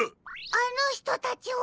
あのひとたちは。